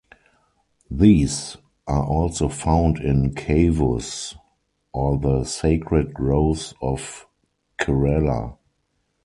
These are also found in ""Kavus"" or the Sacred Groves of Kerala.